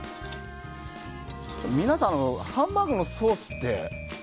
皆さんハンバーグのソースって。